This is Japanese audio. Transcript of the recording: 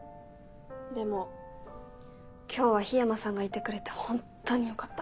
でも今日は緋山さんがいてくれて本当によかった。